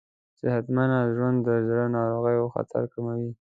صحتمند ژوند د زړه ناروغیو خطر کموي.